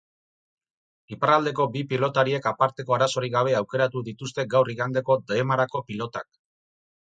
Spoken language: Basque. Iparraldeko bi pilotariek aparteko arazorik gabe aukeratu dituzte gaur igandeko demarako pilotak.